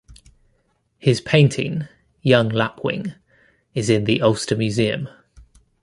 His painting "Young Lapwing" is in the Ulster Museum.